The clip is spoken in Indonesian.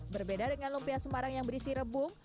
berbeda dengan lumpia semarang yang berisi rebung